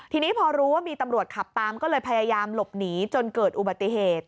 ทีนี้พอรู้ว่ามีตำรวจขับตามก็เลยพยายามหลบหนีจนเกิดอุบัติเหตุ